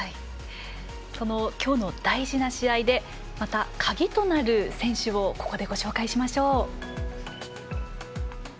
そのきょうの大事な試合でまた鍵となる選手をここでご紹介しましょう。